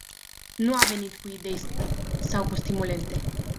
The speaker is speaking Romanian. Nu a venit cu idei sau cu stimulente.